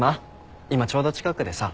今ちょうど近くでさ。